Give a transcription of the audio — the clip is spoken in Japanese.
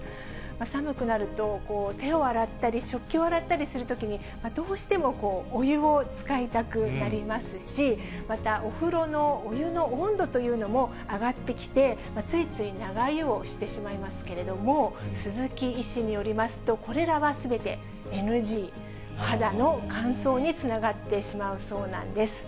寒くなると、手を洗ったり食器を洗ったりするときに、どうしてもお湯を使いたくなりますし、またお風呂のお湯の温度というのも上がってきて、ついつい長湯をしてしまいますけれども、鈴木医師によりますと、これらはすべてＮＧ、肌の乾燥につながってしまうそうなんです。